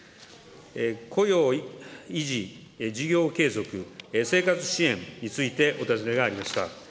雇用維持、事業継続、生活支援についてお尋ねがありました。